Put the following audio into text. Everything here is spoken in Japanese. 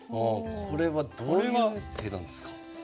これはどういう手なんですか？